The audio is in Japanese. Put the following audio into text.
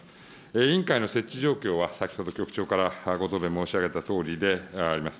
委員会の設置状況は、先ほど局長からご答弁申し上げたとおりであります。